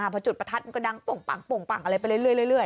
พอจุดประทัดมันก็ดังโป่งปังอะไรไปเรื่อย